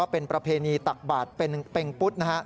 เป็นประเพณีตักบาตรเป็นเป็งปุฏ